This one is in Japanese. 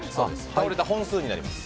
倒れた本数になります。